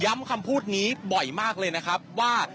คำพูดนี้บ่อยมากเลยนะครับว่า